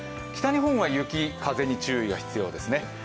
北日本は雪、風に注意が必要ですね